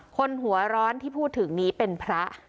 คนหัวร้อนที่พูดถึงนี้เป็นพระ